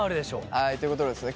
はいということでですね